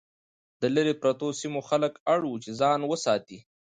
د لرې پرتو سیمو خلک اړ وو چې ځان وساتي.